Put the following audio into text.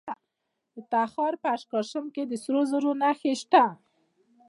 د تخار په اشکمش کې د سرو زرو نښې شته.